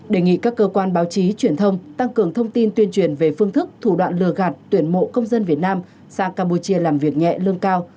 đề nghị các cơ quan báo chí truyền thông tăng cường thông tin tuyên truyền về phương thức thủ đoạn lừa gạt tuyển mộ công dân việt nam sang campuchia làm việc nhẹ lương cao